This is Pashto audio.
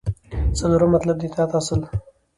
څلورم مطلب : د اطاعت اصل